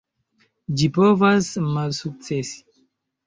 Ĝi povas malsukcesi.